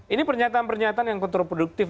ini pernyataan pernyataan yang kontrol produktif